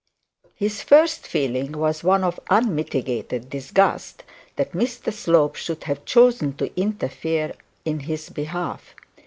His first feeling was one of unmitigated disgust that Mr Slope should have chosen to interfere in his behalf.